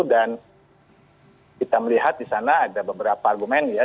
dan kita melihat disana ada beberapa argumen ya